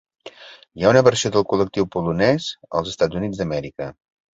Hi ha una versió del col·lectiu polonès als Estats Units d'Amèrica.